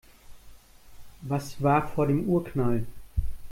Was war vor dem Urknall?